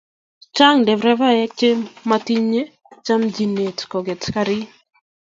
Chng nderevaek che matinye chamchinet koket karit